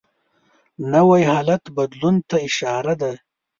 نوی حالت بدلون ته اشاره ده